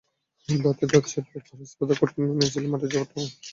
দাঁতে দাঁত চেপে বরং ইস্পাতকঠিন শপথ নিয়েছিলেন, মাঠের জবাবটা হবে নির্মম, নির্দয়।